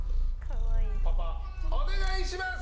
パパ、お願いします！